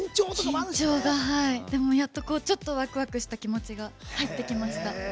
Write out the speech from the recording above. でも、やっとちょっとワクワクした気持ちが入ってきました。